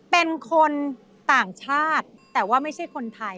เป็นคนต่างชาติแต่ว่าไม่ใช่คนไทย